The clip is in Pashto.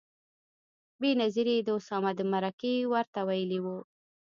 بېنظیرې د اسامه د مرکې ورته ویلي و.